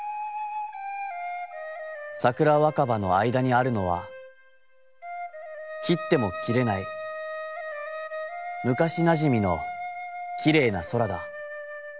桜若葉の間に在るのは、切つても切れないむかしなじみのきれいな空だ。